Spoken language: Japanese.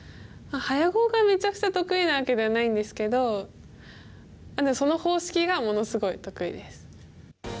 早碁がめちゃくちゃ得意なわけではないんですけどでもその方式がものすごい得意です。